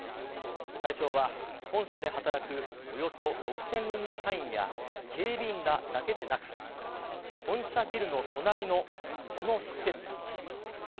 対象は、本社で働くおよそ６０００人の社員や警備員らだけでなく、本社ビルの隣のこの施設。